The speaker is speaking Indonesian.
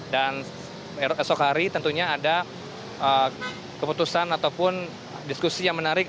dan esok hari tentunya ada keputusan ataupun diskusi yang menarik